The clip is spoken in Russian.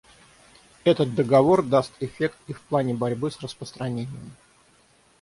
Этот договор даст эффект и в плане борьбы с распространением.